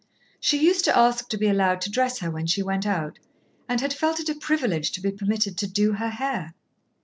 She used to ask to be allowed to dress her when she went out, and had felt it a privilege to be permitted to "do" her hair.